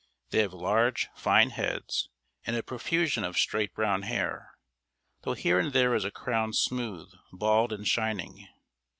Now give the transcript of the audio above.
They have large, fine heads, and a profusion of straight brown hair, though here and there is a crown smooth, bald, and shining.